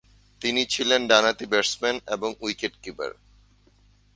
তিনি ছিলেন ডানহাতি ব্যাটসম্যান এবং উইকেট কিপার।